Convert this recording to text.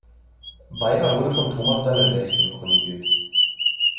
Beyer wurde von Thomas Danneberg synchronisiert.